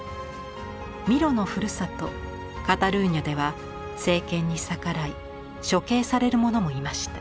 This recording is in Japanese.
ミロのふるさとカタルーニャでは政権に逆らい処刑される者もいました。